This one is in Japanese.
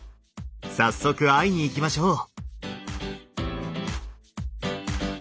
早速会いに行きましょう。